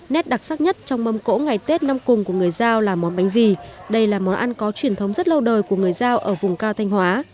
nét đặc sắc nhất trong mâm cỗ ngày tết năm cùng của người giao là món bánh gì đây là món ăn có truyền thống rất lâu đời của người giao ở vùng cao thanh hóa